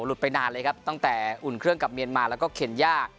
ไปนานเลยครับตั้งแต่อุ่นเครื่องกับเมียนมาแล้วก็เคนย่า